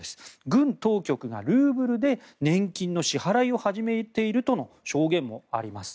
軍当局がルーブルで年金の支払いを始めているとの証言もあります。